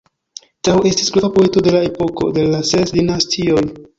Tao estis grava poeto de la epoko de la Ses Dinastioj.